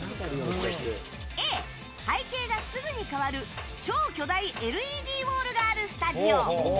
Ａ、背景がすぐに変わる超巨大ＬＥＤウォールがあるスタジオ。